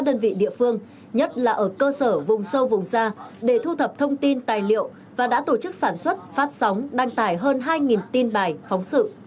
đơn vị địa phương nhất là ở cơ sở vùng sâu vùng xa để thu thập thông tin tài liệu và đã tổ chức sản xuất phát sóng đăng tải hơn hai tin bài phóng sự